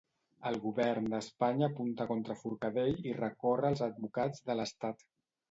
El govern d'Espanya apunta contra Forcadell i recorre als advocats de l'estat.